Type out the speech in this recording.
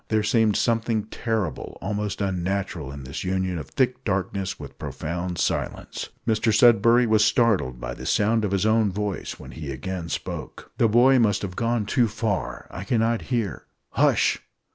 There seemed something terrible, almost unnatural, in this union of thick darkness with profound silence. Mr Sudberry was startled by the sound of his own voice when he again spoke. "The boy must have gone too far. I cannot hear " "Hush!"